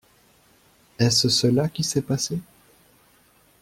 Est-ce cela qui s’est passé?